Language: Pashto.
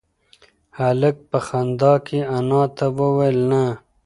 هلک په خندا کې انا ته وویل نه.